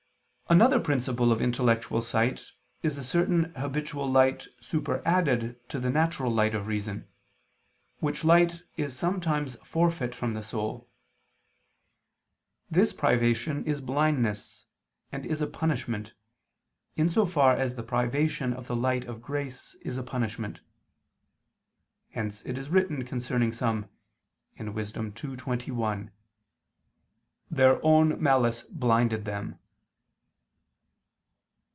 Another principle of intellectual sight is a certain habitual light superadded to the natural light of reason, which light is sometimes forfeit from the soul. This privation is blindness, and is a punishment, in so far as the privation of the light of grace is a punishment. Hence it is written concerning some (Wis. 2:21): "Their own malice blinded them."